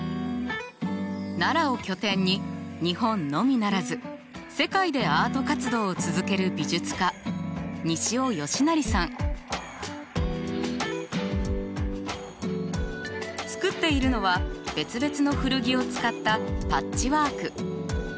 奈良を拠点に日本のみならず世界でアート活動を続ける美術家作っているのは別々の古着を使ったパッチワーク。